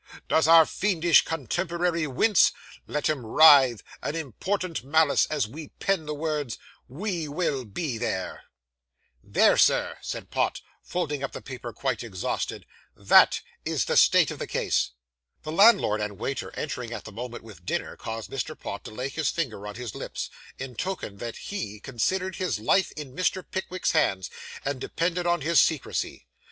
Does our fiendish contemporary wince? Let him writhe, in impotent malice, as we pen the words, We will be there.' 'There, Sir,' said Pott, folding up the paper quite exhausted, 'that is the state of the case!' The landlord and waiter entering at the moment with dinner, caused Mr. Pott to lay his finger on his lips, in token that he considered his life in Mr. Pickwick's hands, and depended on his secrecy.